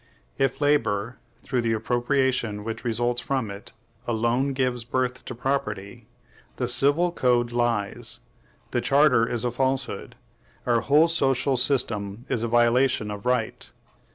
If labor, through the appropriation which results from it, alone gives birth to property, the Civil Code lies, the charter is a falsehood, our whole social system is a violation of right.